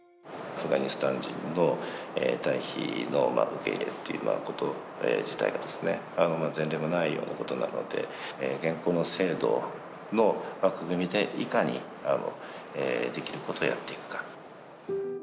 アフガニスタン人の退避の受け入れというようなこと自体が、前例のないようなことなので、現行の制度の枠組みでいかにできることをやっていくか。